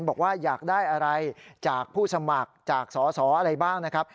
บอกว่าอยากได้อะไรจากผู้สมัครจากสสอะไรบ้างนะครับ